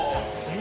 え？